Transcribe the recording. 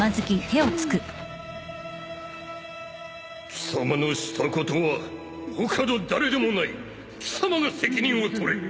・貴様のしたことは他の誰でもない貴様が責任を取れ。